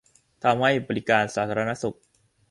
ทำให้บริการสาธารณสุข